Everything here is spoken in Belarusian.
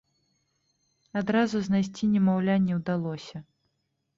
Адразу знайсці немаўля не ўдалося.